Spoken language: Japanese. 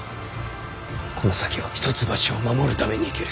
この先は一橋を守るために生きる。